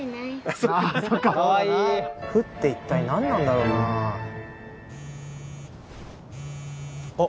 あっそっか・かわいい「不」って一体何なんだろうなあっ